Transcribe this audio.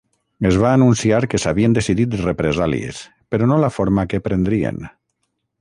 Es va anunciar que s'havien decidit represàlies, però no la forma que prendrien.